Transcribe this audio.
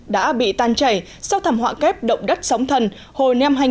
đã bị tan chảy sau thảm họa kép đậu đất sóng thần hồi năm hai nghìn một mươi một